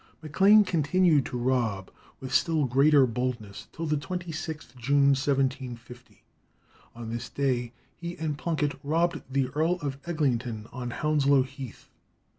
Maclane continued to rob, with still greater boldness, till the 26th June, 1750. On this day he and Plunkett robbed the Earl of Eglinton on Hounslow Heath.